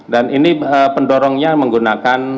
dan ini pendorongnya menggunakan